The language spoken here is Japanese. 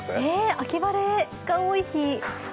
秋晴れが多い日？